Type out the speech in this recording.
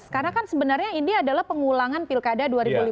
karena kan sebenarnya ini adalah pengulangan pilkada dua ribu lima belas